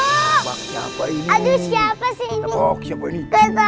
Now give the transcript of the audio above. aduh siapa ini siapa sih ini